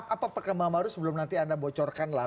apa perkembangan baru sebelum nanti anda bocorkan lah